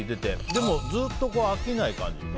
でも、ずっと飽きない感じ。